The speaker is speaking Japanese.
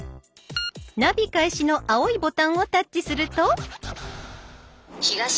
「ナビ開始」の青いボタンをタッチすると。